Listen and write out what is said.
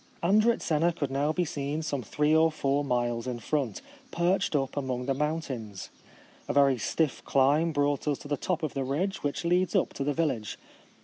Andritzena could now be seen some three or four miles in front, perched up among the mountains. A very stiff climb brought us to the top of the ridge which leads up to the village.